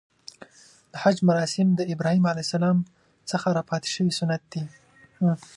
د حج مراسم د ابراهیم ع څخه راپاتې شوی سنت دی .